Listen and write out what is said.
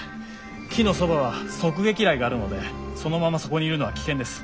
木のそばは側撃雷があるのでそのままそこにいるのは危険です。